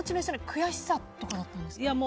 悔しさとかだったんですか？